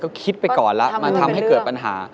เขาคิดไปก่อนแล้วมันทำให้เกิดปัญหา